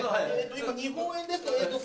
今日本円ですと。